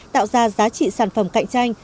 tạo ra giá trị sản phẩm cạnh tranh